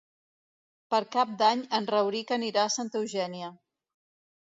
Per Cap d'Any en Rauric anirà a Santa Eugènia.